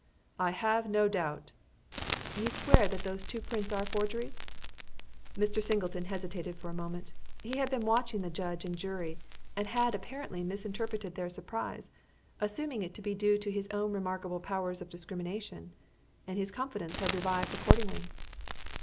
"I have no doubt." "You swear that those two prints are forgeries?" Mr. Singleton hesitated for a moment. He had been watching the judge and the jury and had apparently misinterpreted their surprise, assuming it to be due to his own remarkable powers of discrimination; and his confidence had revived accordingly.